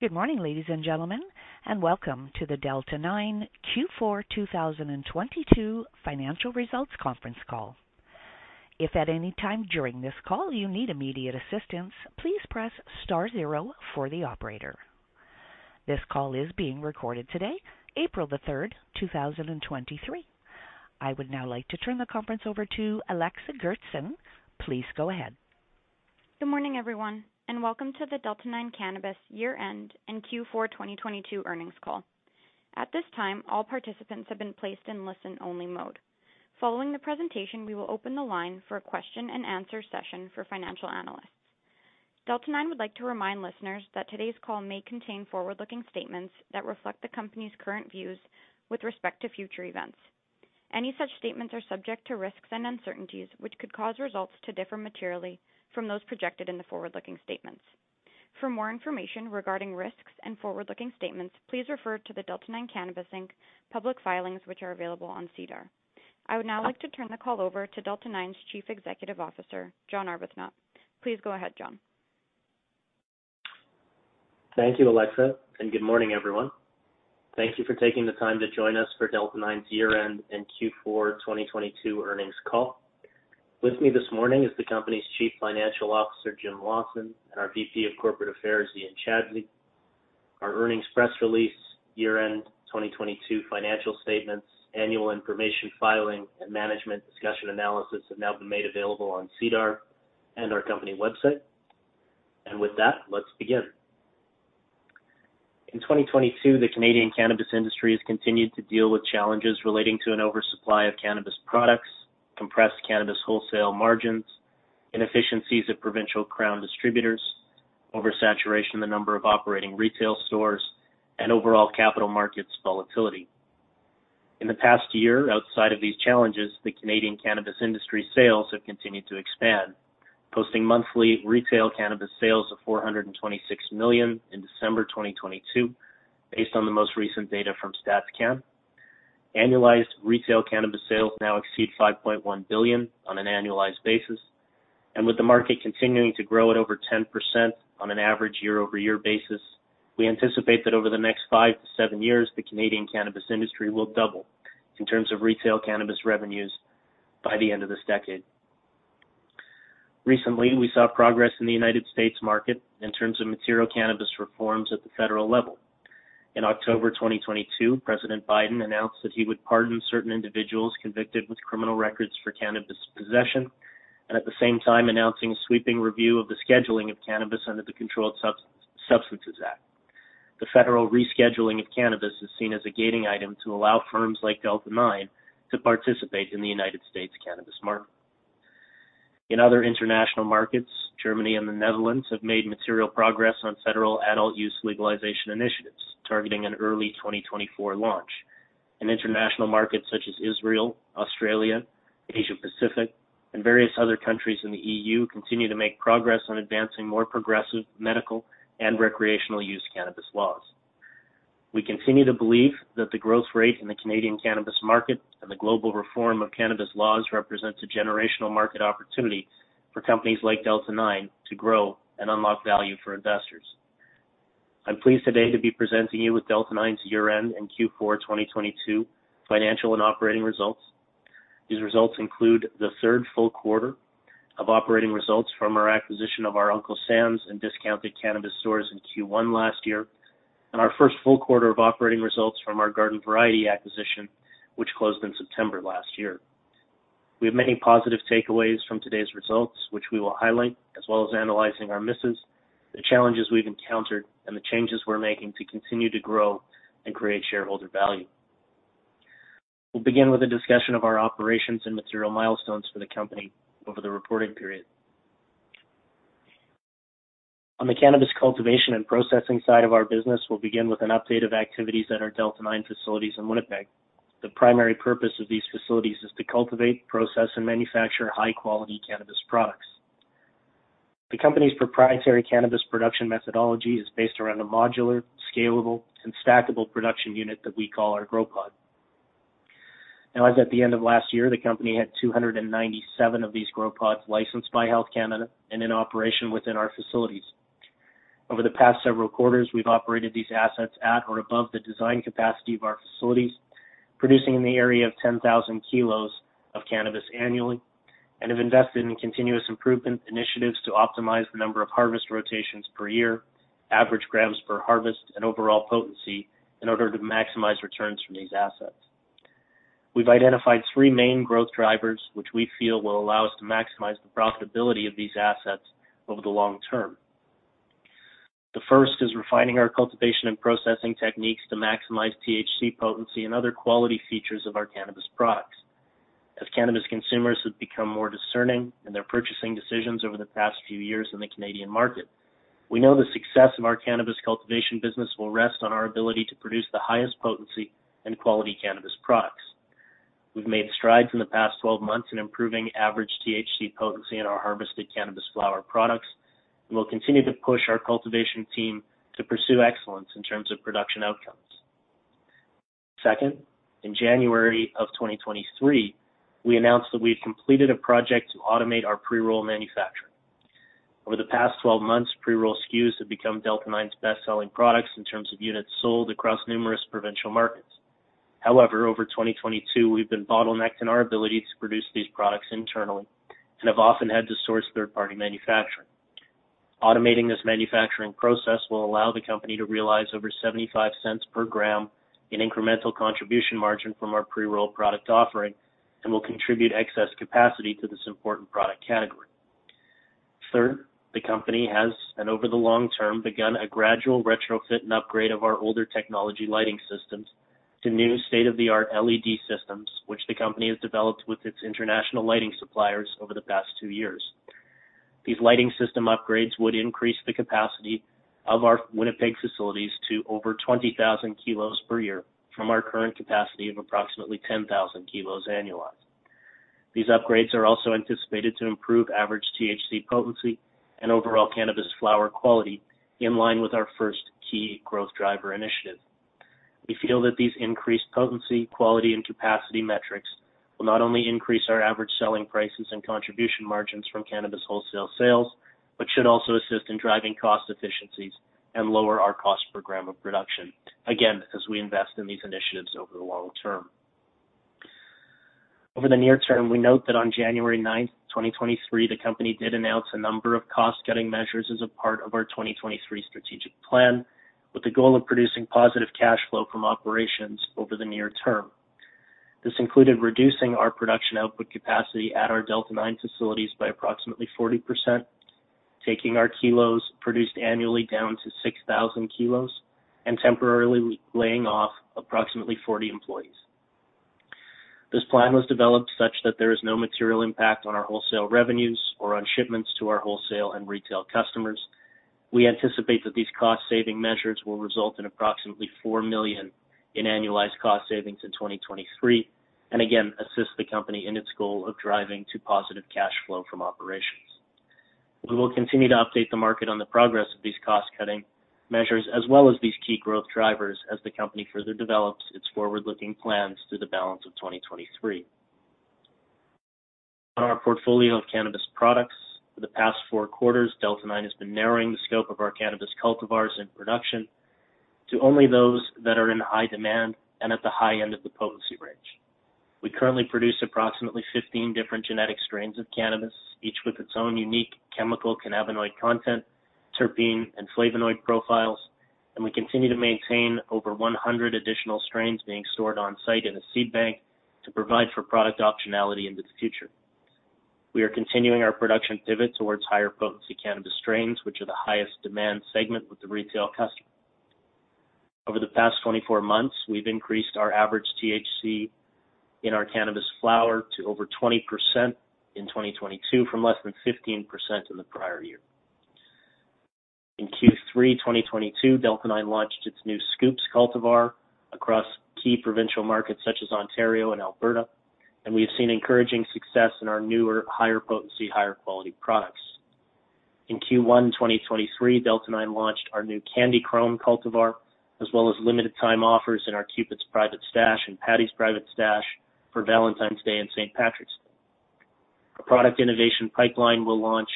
Good morning, ladies and gentlemen, welcome to the Delta 9 Q4 2022 financial results conference call. If at any time during this call you need immediate assistance, please press star zero for the Operator. This call is being recorded today, April the 3rd, 2023. I would now like to turn the conference over to Alexa Goertzen. Please go ahead. Good morning, everyone, welcome to the Delta 9 Cannabis year-end and Q4 2022 earnings call. At this time, all participants have been placed in listen-only mode. Following the presentation, we will open the line for a question-and-answer session for financial analysts. Delta 9 would like to remind listeners that today's call may contain forward-looking statements that reflect the company's current views with respect to future events. Any such statements are subject to risks and uncertainties, which could cause results to differ materially from those projected in the forward-looking statements. For more information regarding risks and forward-looking statements, please refer to the Delta 9 Cannabis Inc. public filings, which are available on SEDAR. I would now like to turn the call over to Delta 9's Chief Executive Officer, John Arbuthnot. Please go ahead, John. Thank you, Alexa, and good morning, everyone. Thank you for taking the time to join us for Delta 9's year-end and Q4 2022 earnings call. With me this morning is the company's Chief Financial Officer Jim Lawson, and our VP of Corporate Affairs Ian Chadsey. Our earnings press release, year-end 2022 financial statements, annual information filing, and management discussion analysis have now been made available on SEDAR and our company website. With that, let's begin. In 2022, the Canadian cannabis industry has continued to deal with challenges relating to an oversupply of cannabis products, compressed cannabis wholesale margins, inefficiencies of provincial crown distributors, oversaturation in the number of operating retail stores, and overall capital markets volatility. In the past year, outside of these challenges, the Canadian cannabis industry sales have continued to expand, posting monthly retail cannabis sales of 426 million in December 2022, based on the most recent data from StatCan. Annualized retail cannabis sales now exceed 5.1 billion on an annualized basis. With the market continuing to grow at over 10% on an average year-over-year basis, we anticipate that over the next five to seven years, the Canadian cannabis industry will double in terms of retail cannabis revenues by the end of this decade. Recently, we saw progress in the United States market in terms of material cannabis reforms at the federal level. In October 2022, President Biden announced that he would pardon certain individuals convicted with criminal records for cannabis possession, and at the same time announcing a sweeping review of the scheduling of cannabis under the Controlled Substances Act. The federal rescheduling of cannabis is seen as a gating item to allow firms like Delta 9 to participate in the United States cannabis market. In other international markets, Germany and the Netherlands have made material progress on federal adult use legalization initiatives, targeting an early 2024 launch. In international markets such as Israel, Australia, Asia Pacific, and various other countries in the EU continue to make progress on advancing more progressive medical and recreational use cannabis laws. We continue to believe that the growth rate in the Canadian cannabis market and the global reform of cannabis laws represents a generational market opportunity for companies like Delta 9 to grow and unlock value for investors. I'm pleased today to be presenting you with Delta 9's year-end and Q4 2022 financial and operating results. These results include the third full quarter of operating results from our acquisition of our Uncle Sam's and Discounted Cannabis stores in Q1 last year, and our first full quarter of operating results from our Garden Variety acquisition, which closed in September last year. We have many positive takeaways from today's results, which we will highlight, as well as analyzing our misses, the challenges we've encountered, and the changes we're making to continue to grow and create shareholder value. We'll begin with a discussion of our operations and material milestones for the company over the reporting period. On the cannabis cultivation and processing side of our business, we'll begin with an update of activities at our Delta 9 facilities in Winnipeg. The primary purpose of these facilities is to cultivate, process, and manufacture high-quality cannabis products. The company's proprietary cannabis production methodology is based around a modular, scalable, and stackable production unit that we call our Grow Pod. As at the end of last year, the company had 297 of these Grow Pod licensed by Health Canada and in operation within our facilities. Over the past several quarters, we've operated these assets at or above the design capacity of our facilities, producing in the area of 10,000 kg of cannabis annually and have invested in continuous improvement initiatives to optimize the number of harvest rotations per year, average grams per harvest, and overall potency in order to maximize returns from these assets. We've identified three main growth drivers which we feel will allow us to maximize the profitability of these assets over the long term. The first is refining our cultivation and processing techniques to maximize THC potency and other quality features of our cannabis products. As cannabis consumers have become more discerning in their purchasing decisions over the past few years in the Canadian market, we know the success of our cannabis cultivation business will rest on our ability to produce the highest potency and quality cannabis products. We've made strides in the past 12 months in improving average THC potency in our harvested cannabis flower products. We'll continue to push our cultivation team to pursue excellence in terms of production outcomes. Second, in January of 2023, we announced that we had completed a project to automate our pre-roll manufacturing. Over the past 12 months, pre-roll SKUs have become Delta 9's best-selling products in terms of units sold across numerous provincial markets. Over 2022, we've been bottlenecked in our ability to produce these products internally and have often had to source third-party manufacturing. Automating this manufacturing process will allow the company to realize over 0.75 per gram in incremental contribution margin from our pre-roll product offering and will contribute excess capacity to this important product category. Third, the company has, and over the long term, begun a gradual retrofit and upgrade of our older technology lighting systems to new state-of-the-art LED systems, which the company has developed with its international lighting suppliers over the past two years. These lighting system upgrades would increase the capacity of our Winnipeg facilities to over 20,000 kg per year from our current capacity of approximately 10,000 kg annualized. These upgrades are also anticipated to improve average THC potency and overall cannabis flower quality in line with our first key growth driver initiative. We feel that these increased potency, quality, and capacity metrics will not only increase our average selling prices and contribution margins from cannabis wholesale sales, but should also assist in driving cost efficiencies and lower our cost per gram of production, again, as we invest in these initiatives over the long term. Over the near term, we note that on January 9th, 2023, the company did announce a number of cost-cutting measures as a part of our 2023 strategic plan with the goal of producing positive cash flow from operations over the near term. This included reducing our production output capacity at our Delta 9 facilities by approximately 40%, taking our kilos produced annually down to 6,000 kg and temporarily laying off approximately 40 employees. This plan was developed such that there is no material impact on our wholesale revenues or on shipments to our wholesale and retail customers. We anticipate that these cost-saving measures will result in approximately 4 million in annualized cost savings in 2023, and again, assist the company in its goal of driving to positive cash flow from operations. We will continue to update the market on the progress of these cost-cutting measures as well as these key growth drivers as the company further develops its forward-looking plans through the balance of 2023. On our portfolio of cannabis products, for the past four quarters, Delta 9 has been narrowing the scope of our cannabis cultivars in production to only those that are in high demand and at the high end of the potency range. We currently produce approximately 15 different genetic strains of cannabis, each with its own unique chemical cannabinoid content, terpene, and flavonoid profiles. We continue to maintain over 100 additional strains being stored on-site in a seed bank to provide for product optionality into the future. We are continuing our production pivot towards higher potency cannabis strains, which are the highest demand segment with the retail customer. Over the past 24 months, we've increased our average THC in our cannabis flower to over 20% in 2022 from less than 15% in the prior year. In Q3 2022, Delta 9 launched its new Scoops cultivar across key provincial markets such as Ontario and Alberta, and we've seen encouraging success in our newer, higher potency, higher quality products. In Q1 2023, Delta 9 launched our new Candy Chrome cultivar, as well as limited time offers in our Cupid's Private Stash and Paddy's Private Stash for Valentine's Day and St. Patrick's Day. Our product innovation pipeline will launch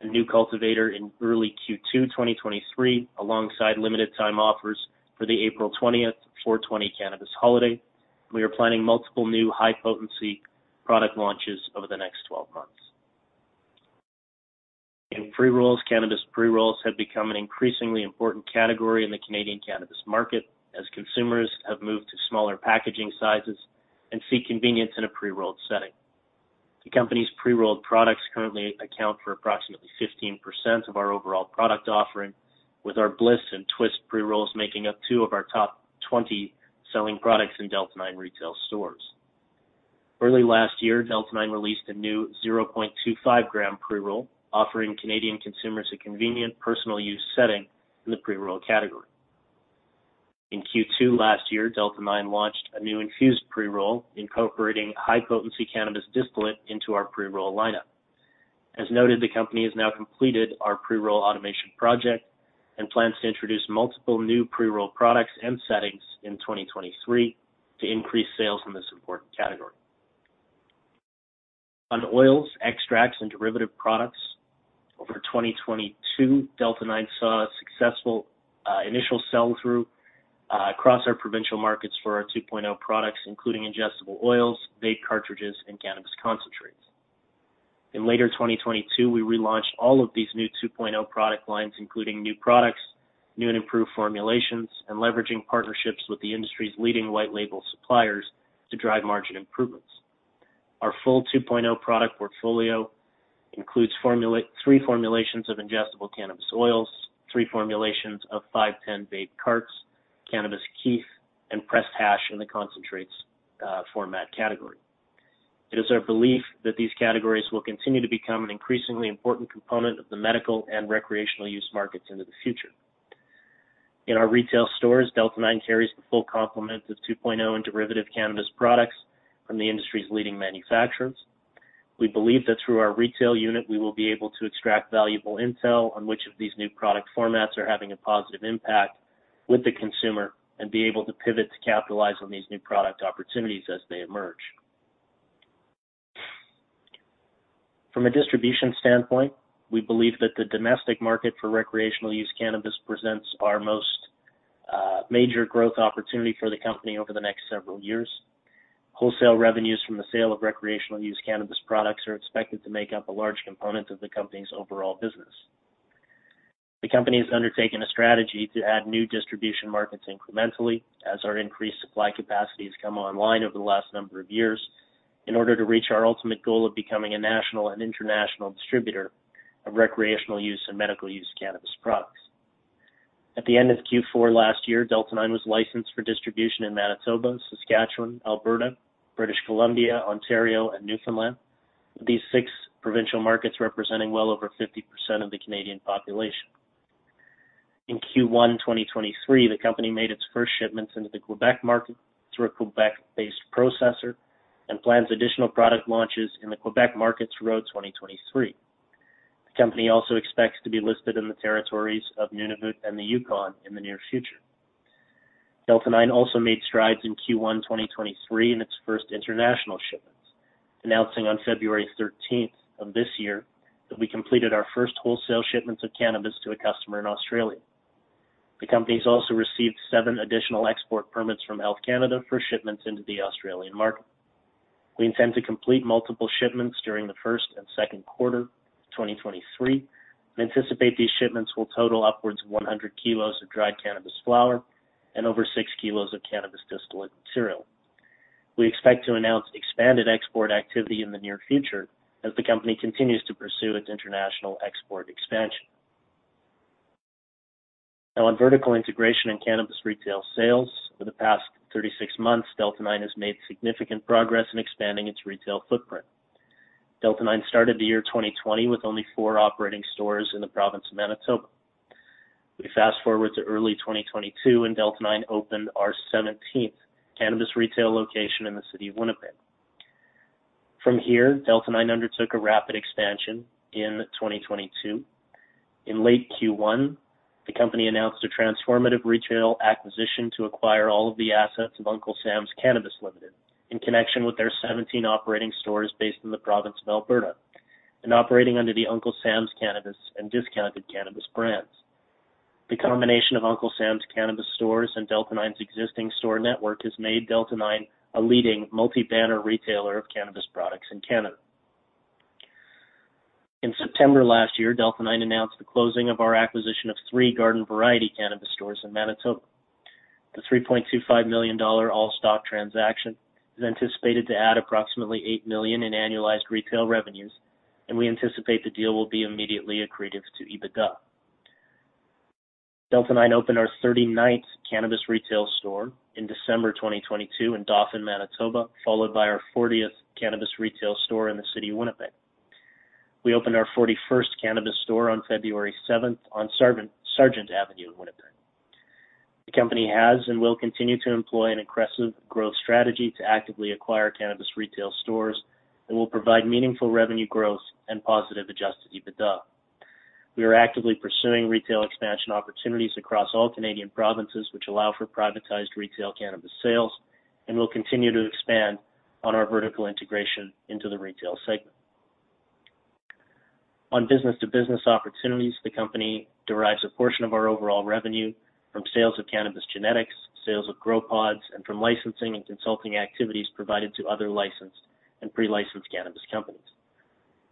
a new cultivator in early Q2 2023, alongside limited time offers for the April 20th, 4/20 cannabis holiday. We are planning multiple new high-potency product launches over the next 12 months. In pre-rolls, cannabis pre-rolls have become an increasingly important category in the Canadian cannabis market as consumers have moved to smaller packaging sizes and seek convenience in a pre-rolled setting. The company's pre-rolled products currently account for approximately 15% of our overall product offering, with our Bliss and Twist pre-rolls making up two of our top 20 selling products in Delta 9 retail stores. Early last year, Delta 9 released a new 0.25 gram pre-roll, offering Canadian consumers a convenient personal use setting in the pre-roll category. In Q2 last year, Delta 9 launched a new infused pre-roll incorporating high-potency cannabis distillate into our pre-roll lineup. As noted, the company has now completed our pre-roll automation project and plans to introduce multiple new pre-roll products and settings in 2023 to increase sales in this important category. On oils, extracts, and derivative products, over 2022, Delta 9 saw a successful initial sell-through across our provincial markets for our 2.0 products, including ingestible oils, vape cartridges, and cannabis concentrates. In later 2022, we relaunched all of these new 2.0 product lines, including new products, new and improved formulations, and leveraging partnerships with the industry's leading white label suppliers to drive margin improvements. Our full 2.0 product portfolio includes three formulations of ingestible cannabis oils, three formulations of 510 vape carts, cannabis kief, and pressed hash in the concentrates format category. It is our belief that these categories will continue to become an increasingly important component of the medical and recreational use markets into the future. In our retail stores, Delta 9 carries the full complement of 2.0 and derivative cannabis products from the industry's leading manufacturers. We believe that through our retail unit, we will be able to extract valuable intel on which of these new product formats are having a positive impact with the consumer and be able to pivot to capitalize on these new product opportunities as they emerge. From a distribution standpoint, we believe that the domestic market for recreational use cannabis presents our most major growth opportunity for the company over the next several years. Wholesale revenues from the sale of recreational use cannabis products are expected to make up a large component of the company's overall business. The company has undertaken a strategy to add new distribution markets incrementally as our increased supply capacity has come online over the last number of years in order to reach our ultimate goal of becoming a national and international distributor of recreational use and medical use cannabis products. At the end of Q4 last year, Delta 9 was licensed for distribution in Manitoba, Saskatchewan, Alberta, British Columbia, Ontario, and Newfoundland, with these six provincial markets representing well over 50% of the Canadian population. In Q1 2023, the company made its first shipments into the Quebec market through a Quebec-based processor and plans additional product launches in the Quebec market throughout 2023. The company also expects to be listed in the territories of Nunavut and the Yukon in the near future. Delta 9 also made strides in Q1 2023 in its first international shipments, announcing on February 13th of this year that we completed our first wholesale shipments of cannabis to a customer in Australia. The company's also received seven additional export permits from Health Canada for shipments into the Australian market. We intend to complete multiple shipments during the first and second quarter of 2023 and anticipate these shipments will total upwards of 100 kg of dried cannabis flower and over 6 kg of cannabis distillate material. We expect to announce expanded export activity in the near future as the company continues to pursue its international export expansion. On vertical integration and cannabis retail sales, for the past 36 months, Delta 9 has made significant progress in expanding its retail footprint. Delta 9 started the year 2020 with only four operating stores in the province of Manitoba. We fast-forward to early 2022, and Delta 9 opened our 17th cannabis retail location in the city of Winnipeg. From here, Delta 9 undertook a rapid expansion in 2022. In late Q1, the company announced a transformative retail acquisition to acquire all of the assets of Uncle Sam's Cannabis Ltd. in connection with their 17 operating stores based in the province of Alberta and operating under the Uncle Sam's Cannabis and Discounted Cannabis brands. The combination of Uncle Sam's Cannabis stores and Delta 9's existing store network has made Delta 9 a leading multi-banner retailer of cannabis products in Canada. In September last year, Delta 9 announced the closing of our acquisition of three Garden Variety cannabis stores in Manitoba. The 3.25 million dollar all-stock transaction is anticipated to add approximately 8 million in annualized retail revenues. We anticipate the deal will be immediately accretive to EBITDA. Delta 9 opened our 39th cannabis retail store in December 2022 in Dauphin, Manitoba, followed by our 40th cannabis retail store in the city of Winnipeg. We opened our 41st cannabis store on February 7th on Sargent Avenue in Winnipeg. The company has and will continue to employ an aggressive growth strategy to actively acquire cannabis retail stores that will provide meaningful revenue growth and positive adjusted EBITDA. We are actively pursuing retail expansion opportunities across all Canadian provinces which allow for privatized retail cannabis sales. We'll continue to expand on our vertical integration into the retail segment. On business-to-business opportunities, the company derives a portion of our overall revenue from sales of cannabis genetics, sales of Grow Pods, and from licensing and consulting activities provided to other licensed and pre-licensed cannabis companies.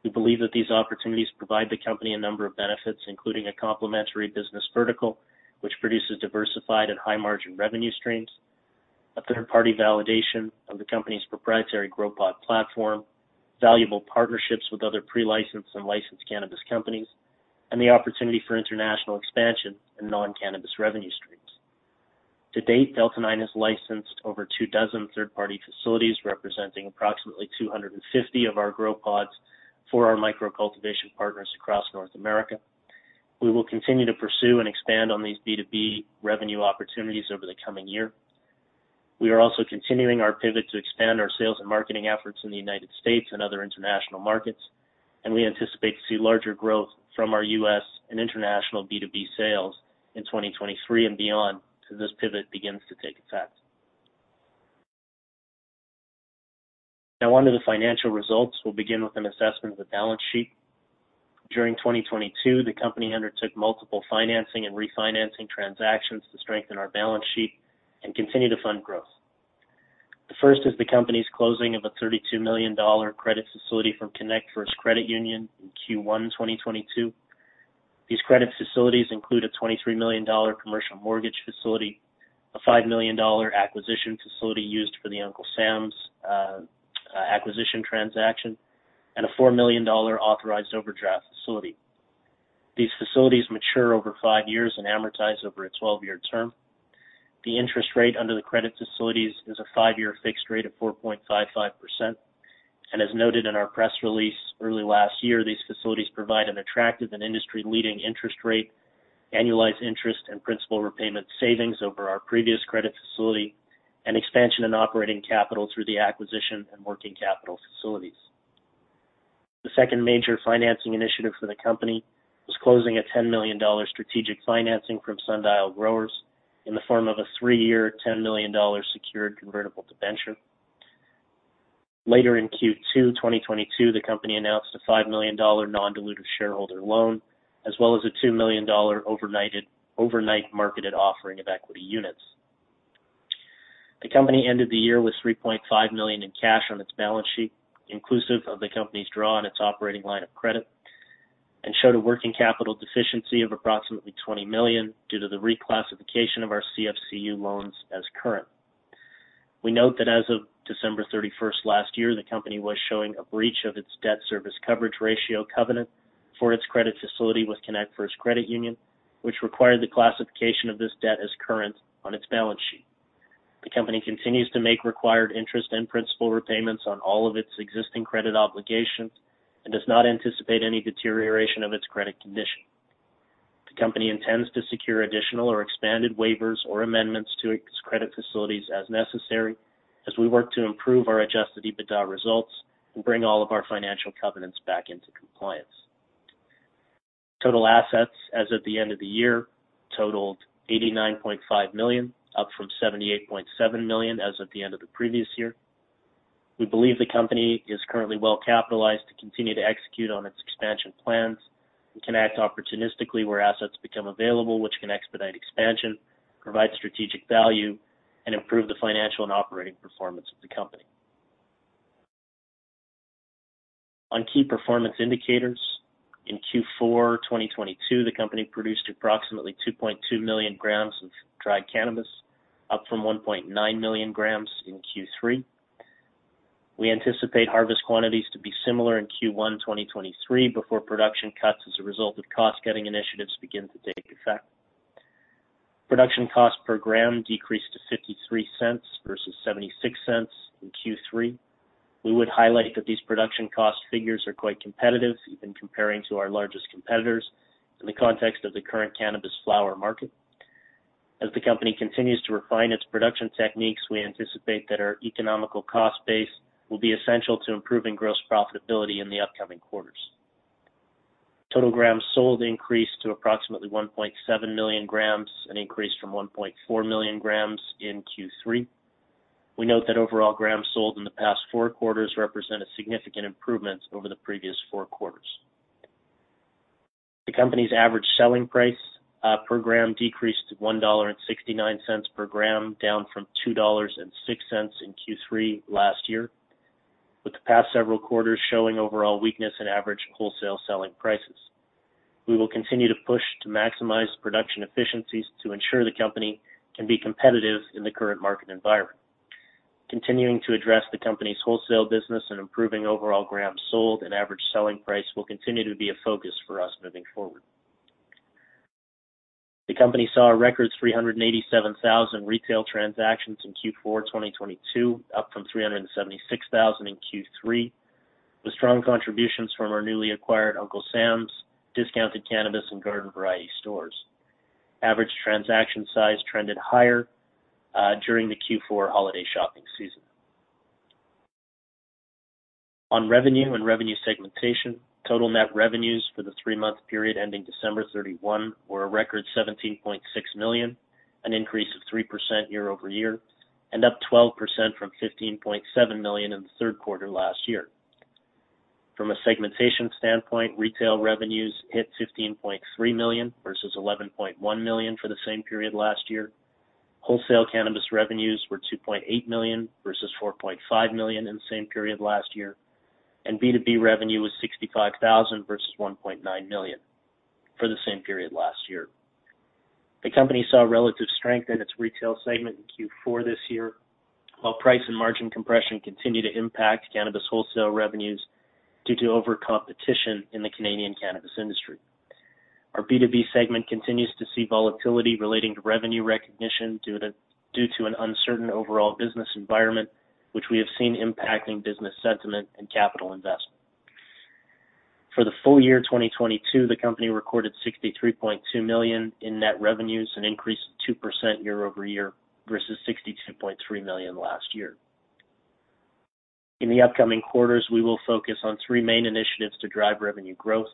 We believe that these opportunities provide the company a number of benefits, including a complementary business vertical, which produces diversified and high-margin revenue streams, a third-party validation of the company's proprietary Grow Pod platform, valuable partnerships with other pre-licensed and licensed cannabis companies, and the opportunity for international expansion and non-cannabis revenue streams. To date, Delta 9 has licensed over two dozen third-party facilities, representing approximately 250 of our Grow Pods for our micro cultivation partners across North America. We will continue to pursue and expand on these B2B revenue opportunities over the coming year. We are also continuing our pivot to expand our sales and marketing efforts in the United States and other international markets, and we anticipate to see larger growth from our U.S. and international B2B sales in 2023 and beyond as this pivot begins to take effect. On to the financial results. We'll begin with an assessment of the balance sheet. During 2022, the company undertook multiple financing and refinancing transactions to strengthen our balance sheet and continue to fund growth. The first is the company's closing of a 32 million dollar credit facility from connectFirst Credit Union in Q1 2022. These credit facilities include a 23 million dollar commercial mortgage facility, a 5 million dollar acquisition facility used for the Uncle Sam's acquisition transaction, and a 4 million dollar authorized overdraft facility. These facilities mature over five years and amortize over a 12-year term. The interest rate under the credit facilities is a five-year fixed rate of 4.55%. As noted in our press release early last year, these facilities provide an attractive and industry-leading interest rate. Annualized interest and principal repayment savings over our previous credit facility and expansion in operating capital through the acquisition and working capital facilities. The second major financing initiative for the company was closing a 10 million dollar strategic financing from Sundial Growers in the form of a three-year, 10 million dollars secured convertible debenture. Later in Q2 2022, the company announced a 5 million dollar non-dilutive shareholder loan as well as a 2 million dollar overnight marketed offering of equity units. The company ended the year with 3.5 million in cash on its balance sheet, inclusive of the company's draw on its operating line of credit, and showed a working capital deficiency of approximately 20 million due to the reclassification of our CFCU loans as current. We note that as of December 31st last year, the company was showing a breach of its debt-service coverage ratio covenant for its credit facility with connectFirst Credit Union, which required the classification of this debt as current on its balance sheet. The company continues to make required interest and principal repayments on all of its existing credit obligations and does not anticipate any deterioration of its credit condition. The company intends to secure additional or expanded waivers or amendments to credit facilities as necessary as we work to improve our adjusted EBITDA results and bring all of our financial covenants back into compliance. Total assets as of the end of the year totaled 89.5 million, up from 78.7 million as of the end of the previous year. We believe the company is currently well-capitalized to continue to execute on its expansion plans and can act opportunistically where assets become available, which can expedite expansion, provide strategic value, and improve the financial and operating performance of the company. On key performance indicators, in Q4 2022, the company produced approximately 2.2 million g of dried cannabis, up from 1.9 million g in Q3. We anticipate harvest quantities to be similar in Q1 2023 before production cuts as a result of cost-cutting initiatives begin to take effect. Production cost per gram decreased to 0.53 versus 0.76 in Q3. We would highlight that these production cost figures are quite competitive, even comparing to our largest competitors in the context of the current cannabis flower market. As the company continues to refine its production techniques, we anticipate that our economical cost base will be essential to improving gross profitability in the upcoming quarters. Total grams sold increased to approximately 1.7 million g an increase from 1.4 million g in Q3. We note that overall grams sold in the past four quarters represent a significant improvement over the previous four quarters. The company's average selling price per gram decreased to 1.69 dollar per gram, down from 2.06 dollars in Q3 last year, with the past several quarters showing overall weakness in average wholesale selling prices. We will continue to push to maximize production efficiencies to ensure the company can be competitive in the current market environment. Continuing to address the company's wholesale business and improving overall grams sold and average selling price will continue to be a focus for us moving forward. The company saw a record 387,000 retail transactions in Q4 2022, up from 376,000 in Q3, with strong contributions from our newly acquired Uncle Sam's Discounted Cannabis and Garden Variety stores. Average transaction size trended higher during the Q4 holiday shopping season. On revenue and revenue segmentation, total net revenues for the three-month period ending December 31 were a record 17.6 million, an increase of 3% year-over-year, and up 12% from 15.7 million in the third quarter last year. From a segmentation standpoint, retail revenues hit 15.3 million versus 11.1 million for the same period last year. Wholesale cannabis revenues were 2.8 million versus 4.5 million in the same period last year, and B2B revenue was 65,000 versus 1.9 million for the same period last year. The company saw relative strength in its retail segment in Q4 this year, while price and margin compression continue to impact cannabis wholesale revenues due to overcompetition in the Canadian cannabis industry. Our B2B segment continues to see volatility relating to revenue recognition due to an uncertain overall business environment, which we have seen impacting business sentiment and capital investment. For the full year 2022, the company recorded 63.2 million in net revenues, an increase of 2% year-over-year versus 62.3 million last year. In the upcoming quarters, we will focus on three main initiatives to drive revenue growth.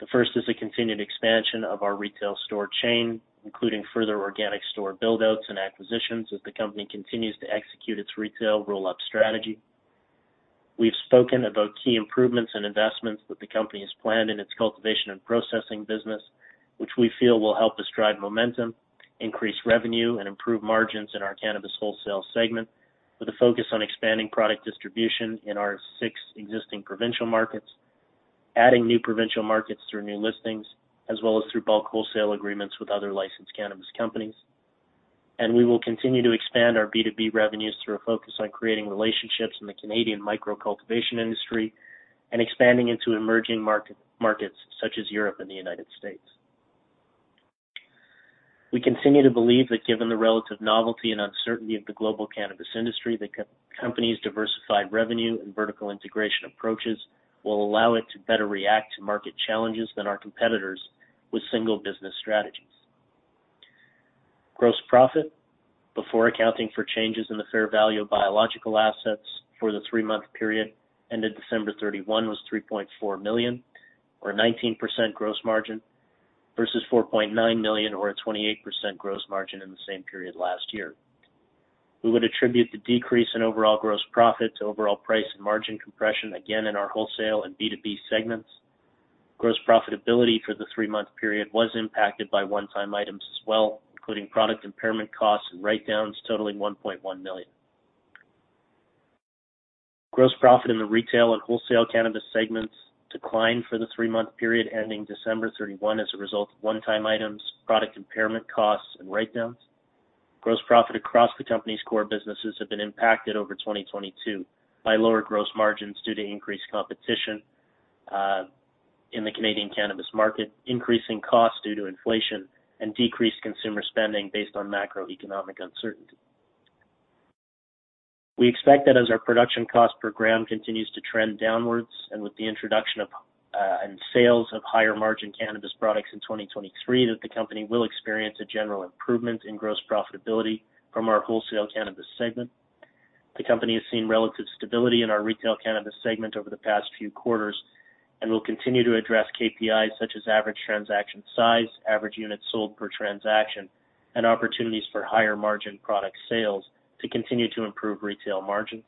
The first is the continued expansion of our retail store chain, including further organic store build-outs and acquisitions as the company continues to execute its retail roll-up strategy. We've spoken about key improvements and investments that the company has planned in its cultivation and processing business, which we feel will help us drive momentum, increase revenue, and improve margins in our cannabis wholesale segment with a focus on expanding product distribution in our six existing provincial markets, adding new provincial markets through new listings, as well as through bulk wholesale agreements with other licensed cannabis companies. We will continue to expand our B2B revenues through a focus on creating relationships in the Canadian micro cultivation industry and expanding into emerging markets such as Europe and the United States. We continue to believe that given the relative novelty and uncertainty of the global cannabis industry, the company's diversified revenue and vertical integration approaches will allow it to better react to market challenges than our competitors with single business strategies. Gross profit before accounting for changes in the fair value of biological assets for the three-month period ended December 31 was 3.4 million, or 19% gross margin, versus 4.9 million or a 28% gross margin in the same period last year. We would attribute the decrease in overall gross profit to overall price and margin compression, again in our wholesale and B2B segments. Gross profitability for the three-month period was impacted by one-time items as well, including product impairment costs and write-downs totaling 1.1 million. Gross profit in the retail and wholesale cannabis segments declined for the three-month period ending December 31 as a result of one-time items, product impairment costs, and write-downs. Gross profit across the company's core businesses have been impacted over 2022 by lower gross margins due to increased competition in the Canadian cannabis market, increasing costs due to inflation, and decreased consumer spending based on macroeconomic uncertainty. We expect that as our production cost per gram continues to trend downwards and with the introduction of and sales of higher-margin cannabis products in 2023, that the company will experience a general improvement in gross profitability from our wholesale cannabis segment. The company has seen relative stability in our retail cannabis segment over the past few quarters and will continue to address KPIs such as average transaction size, average units sold per transaction, and opportunities for higher-margin product sales to continue to improve retail margins.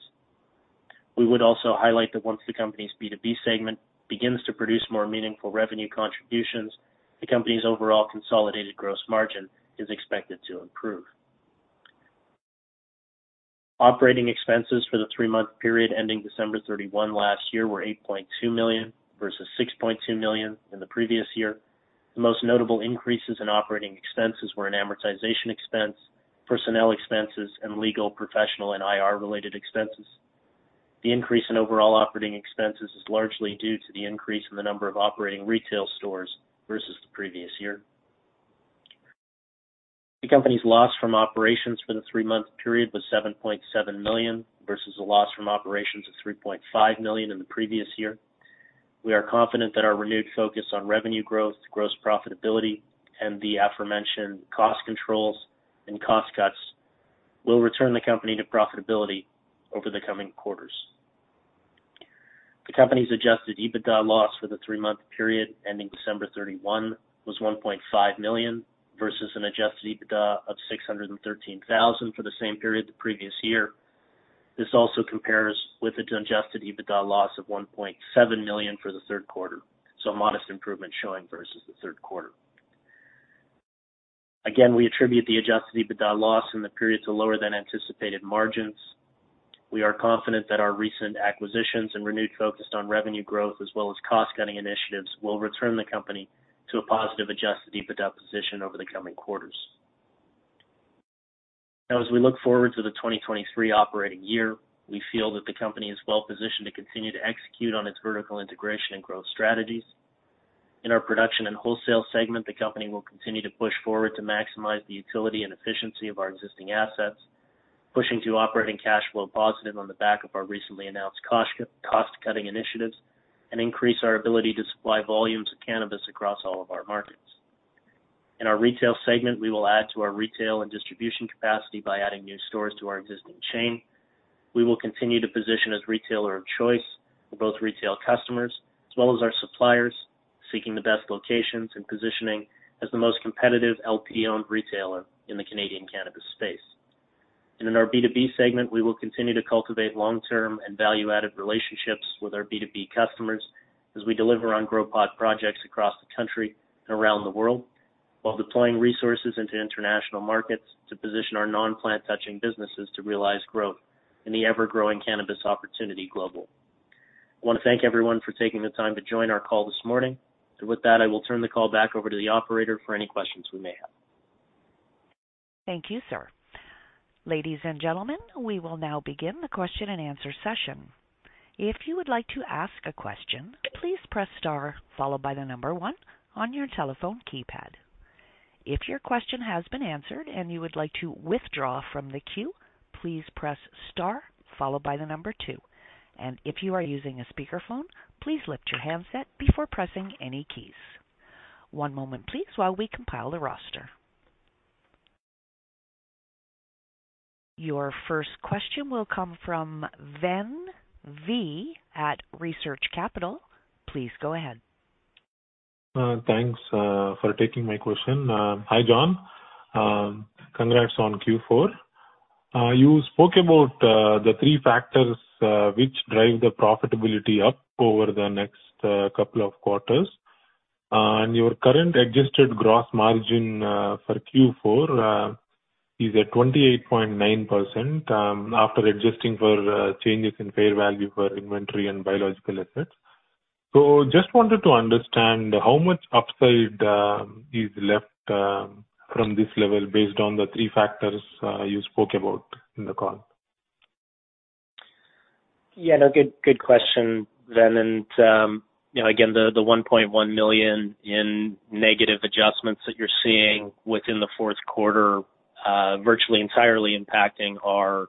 We would also highlight that once the company's B2B segment begins to produce more meaningful revenue contributions, the company's overall consolidated gross margin is expected to improve. Operating expenses for the three-month period ending December 31 last year were 8.2 million versus 6.2 million in the previous year. The most notable increases in operating expenses were in amortization expense, personnel expenses, and legal, professional and IR-related expenses. The increase in overall operating expenses is largely due to the increase in the number of operating retail stores versus the previous year. The company's loss from operations for the three-month period was 7.7 million, versus a loss from operations of 3.5 million in the previous year. We are confident that our renewed focus on revenue growth, gross profitability, and the aforementioned cost controls and cost cuts will return the company to profitability over the coming quarters. The company's adjusted EBITDA loss for the three-month period ending December 31 was 1.5 million versus an adjusted EBITDA of 613,000 for the same period the previous year. This also compares with an adjusted EBITDA loss of 1.7 million for the third quarter, so a modest improvement showing versus the third quarter. Again, we attribute the adjusted EBITDA loss in the period to lower than anticipated margins. We are confident that our recent acquisitions and renewed focus on revenue growth as well as cost-cutting initiatives will return the company to a positive adjusted EBITDA position over the coming quarters. As we look forward to the 2023 operating year, we feel that the company is well positioned to continue to execute on its vertical integration and growth strategies. In our production and wholesale segment, the company will continue to push forward to maximize the utility and efficiency of our existing assets, pushing to operating cash flow positive on the back of our recently announced cost-cutting initiatives and increase our ability to supply volumes of cannabis across all of our markets. In our retail segment, we will add to our retail and distribution capacity by adding new stores to our existing chain. We will continue to position as retailer of choice for both retail customers as well as our suppliers, seeking the best locations and positioning as the most competitive LP-owned retailer in the Canadian cannabis space. In our B2B segment, we will continue to cultivate long-term and value-added relationships with our B2B customers as we deliver on Grow Pod projects across the country and around the world, while deploying resources into international markets to position our non-plant touching businesses to realize growth in the ever-growing cannabis opportunity global. I want to thank everyone for taking the time to join our call this morning. With that, I will turn the call back over to the Operator for any questions we may have. Thank you, sir. Ladies and gentlemen, we will now begin the question-and-answer session. If you would like to ask a question, please press star followed by the number one on your telephone keypad. If your question has been answered and you would like to withdraw from the queue, please press star followed by the number two. If you are using a speakerphone, please lift your handset before pressing any keys. One moment please while we compile the roster. Your first question will come from Ven V. at Research Capital. Please go ahead. Thanks for taking my question. Hi, John. Congrats on Q4. You spoke about the three factors which drive the profitability up over the next couple of quarters. Your current adjusted gross margin for Q4 is at 28.9% after adjusting for changes in fair value for inventory and biological assets. Just wanted to understand how much upside is left from this level based on the three factors you spoke about in the call. Good question, Ven. You know, again, the 1.1 million in negative adjustments that you're seeing within the fourth quarter virtually entirely impacting our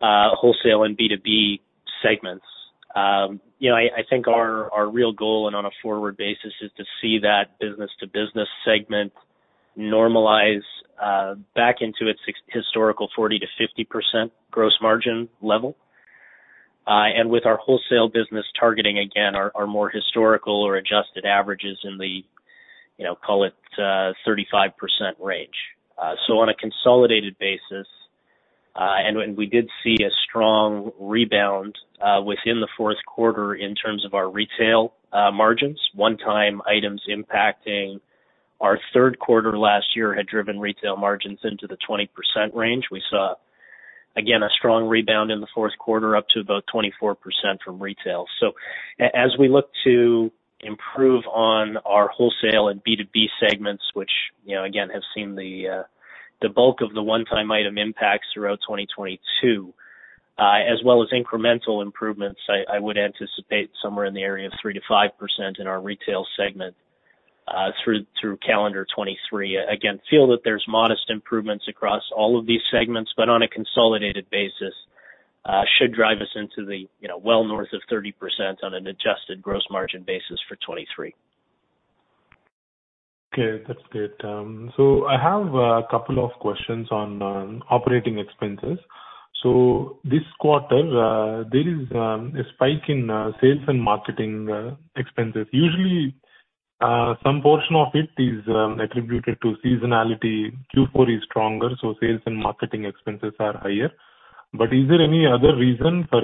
wholesale and B2B segments. You know, I think our real goal and on a forward basis is to see that business to business segment normalize back into its historical 40%-50% gross margin level. With our wholesale business targeting, again, our more historical or adjusted averages in the call it 35% range. On a consolidated basis, when we did see a strong rebound within the fourth quarter in terms of our retail margins, one-time items impacting our third quarter last year had driven retail margins into the 20% range. We saw, again, a strong rebound in the fourth quarter, up to about 24% from retail. As we look to improve on our wholesale and B2B segments, which, you know, again, have seen the bulk of the one-time item impacts throughout 2022, as well as incremental improvements, I would anticipate somewhere in the area of 3%-5% in our retail segment, through calendar 2023. Again, feel that there's modest improvements across all of these segments, but on a consolidated basis, should drive us into the, you know, well north of 30% on an adjusted gross margin basis for 2023. That's great. I have a couple of questions on operating expenses. This quarter, there is a spike in sales and marketing expenses. Usually, some portion of it is attributed to seasonality. Q4 is stronger, so sales and marketing expenses are higher. Is there any other reason for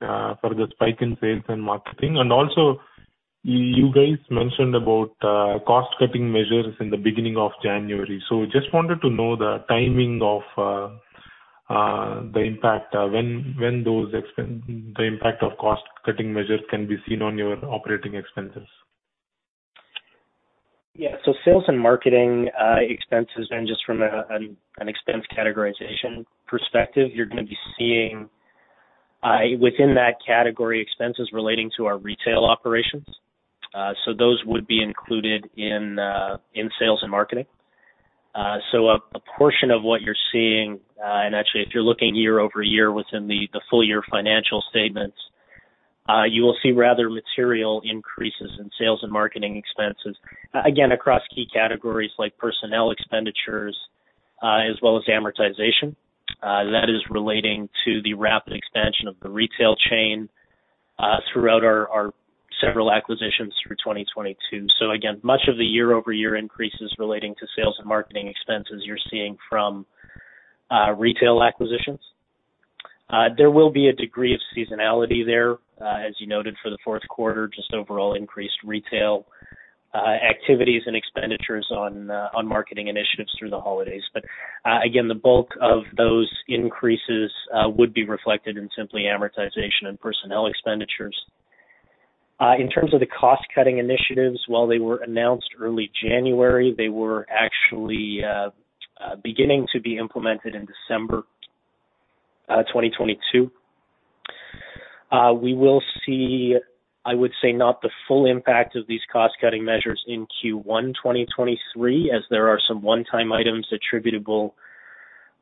the spike in sales and marketing? Also, you guys mentioned about cost-cutting measures in the beginning of January. Just wanted to know the timing of the impact, when the impact of cost-cutting measures can be seen on your operating expenses. Sales and marketing expenses then just from an expense categorization perspective, you're gonna be seeing within that category, expenses relating to our retail operations. Those would be included in sales and marketing. A portion of what you're seeing, and actually if you're looking year-over-year within the full year financial statements, you will see rather material increases in sales and marketing expenses, again, across key categories like personnel expenditures, as well as amortization, that is relating to the rapid expansion of the retail chain throughout our several acquisitions through 2022. Again, much of the year-over-year increases relating to sales and marketing expenses you're seeing from retail acquisitions. There will be a degree of seasonality there, as you noted for the fourth quarter, just overall increased retail activities and expenditures on marketing initiatives through the holidays. Again, the bulk of those increases would be reflected in simply amortization and personnel expenditures. In terms of the cost-cutting initiatives, while they were announced early January, they were actually beginning to be implemented in December 2022. We will see, I would say, not the full impact of these cost-cutting measures in Q1 2023, as there are some one-time items attributable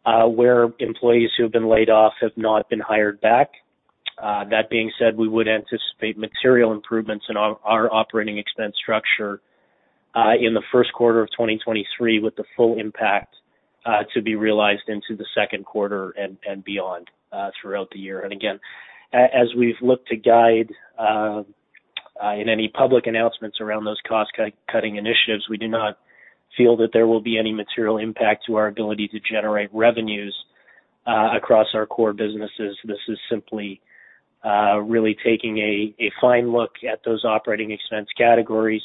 where employees who have been laid off have not been hired back. That being said, we would anticipate material improvements in our operating expense structure in the first quarter of 2023, with the full impact to be realized into the second quarter and beyond throughout the year. Again, as we've looked to guide in any public announcements around those cost cutting initiatives, we do not feel that there will be any material impact to our ability to generate revenues across our core businesses. This is simply really taking a fine look at those operating expense categories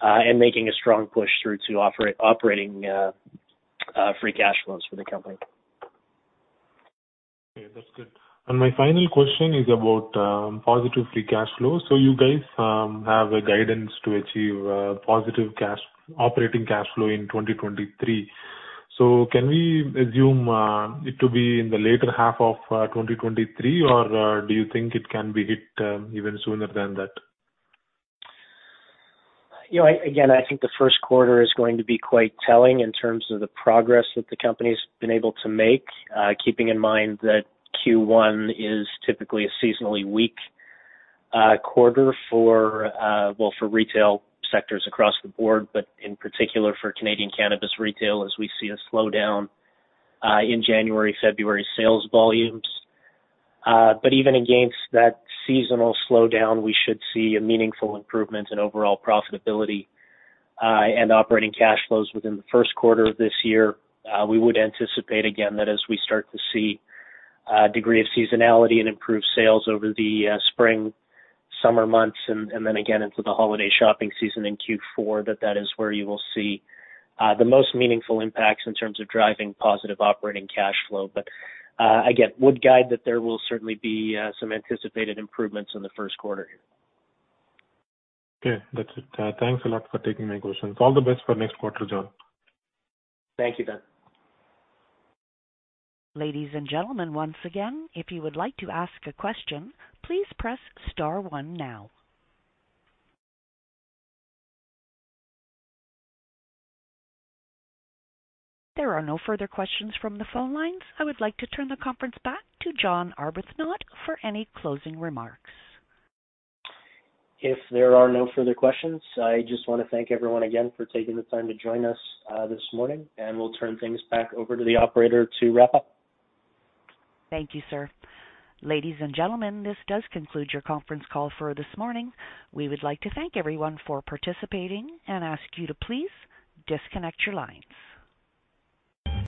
and making a strong push through to operating free cash flows for the company. Okay, that's good. My final question is about positive free cash flow. You guys have a guidance to achieve positive cash, operating cash flow in 2023. Can we assume it to be in the later half of 2023, or do you think it can be hit even sooner than that? You know, again, I think the first quarter is going to be quite telling in terms of the progress that the company's been able to make. Keeping in mind that Q1 is typically a seasonally weak quarter for, well, for retail sectors across the board, but in particular for Canadian cannabis retail, as we see a slowdown in January, February sales volumes. Even against that seasonal slowdown, we should see a meaningful improvement in overall profitability and operating cash flows within the first quarter of this year. We would anticipate again that as we start to see a degree of seasonality and improved sales over the spring, summer months and then again into the holiday shopping season in Q4, that is where you will see the most meaningful impacts in terms of driving positive operating cash flow. Again, would guide that there will certainly be some anticipated improvements in the first quarter here. Okay. That's it. Thanks a lot for taking my questions. All the best for next quarter, John. Thank you, Ven. Ladies and gentlemen, once again, if you would like to ask a question, please press star one now. There are no further questions from the phone lines. I would like to turn the conference back to John Arbuthnot for any closing remarks. If there are no further questions, I just wanna thank everyone again for taking the time to join us, this morning, and we'll turn things back over to the Operator to wrap up. Thank you, sir. Ladies and gentlemen, this does conclude your conference call for this morning. We would like to thank everyone for participating and ask you to please disconnect your lines.